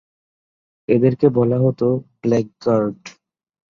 এদেরকে বলা হতো ‘ব্ল্যাক গার্ড’।